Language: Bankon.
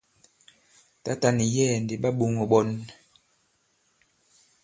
Tǎtà nì yɛ̌ɛ̀ ndi ɓa ɓōŋō ɓɔn.